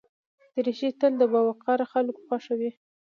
دریشي تل د باوقاره خلکو خوښه وي.